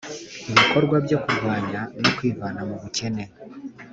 bikorwa byo kurwanya no kwivana mu bukene